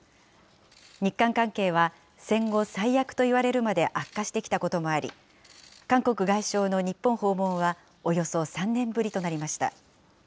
日韓関係は、戦後最悪といわれるまで悪化してきたこともあり、韓国外相の日本訪問はおよそ３年ぶりとなりました。